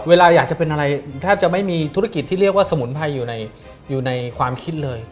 เวลาอยากจะเป็นอะไรแทบจะไม่มีธุรกิจที่เรียกว่าสมุนไพรอยู่ในความคิดเลย